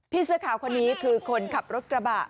เสื้อขาวคนนี้คือคนขับรถกระบะ